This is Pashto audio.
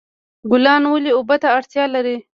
ګلان ولې اوبو ته اړتیا لري؟